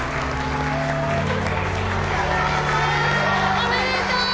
おめでとう！